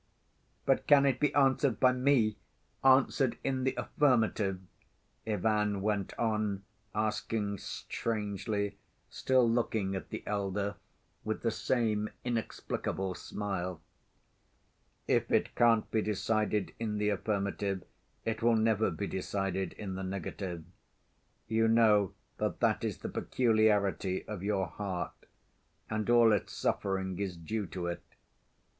"But can it be answered by me? Answered in the affirmative?" Ivan went on asking strangely, still looking at the elder with the same inexplicable smile. "If it can't be decided in the affirmative, it will never be decided in the negative. You know that that is the peculiarity of your heart, and all its suffering is due to it.